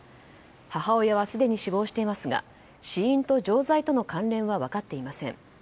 母親はすでに死亡していますが死因と錠剤との関連は分かっていません。